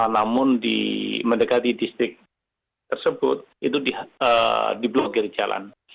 namun mendekati distrik tersebut itu di blogger jalan